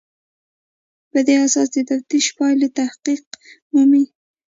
په دې اساس د تفتیش پایلې تحقق مومي.